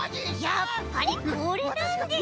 やっぱりこれなんですよ！